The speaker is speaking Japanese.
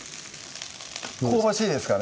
香ばしいですかね？